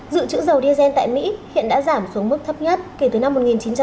dự trữ dầu diogen tại mỹ hiện đã giảm xuống mức thấp nhất kể từ năm một nghìn chín trăm tám mươi hai